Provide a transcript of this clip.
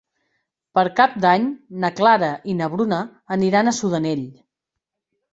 Per Cap d'Any na Clara i na Bruna aniran a Sudanell.